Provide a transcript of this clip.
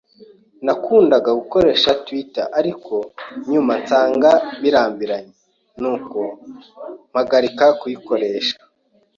Nakundaga gukoresha Twitter, ariko nyuma nsanga birambiranye, nuko mpagarika kuyikoresha.